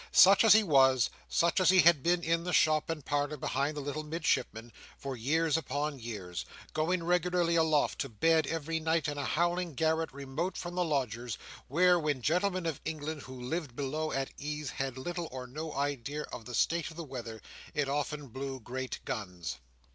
Such as he was, such he had been in the shop and parlour behind the little Midshipman, for years upon years; going regularly aloft to bed every night in a howling garret remote from the lodgers, where, when gentlemen of England who lived below at ease had little or no idea of the state of the weather, it often blew great guns.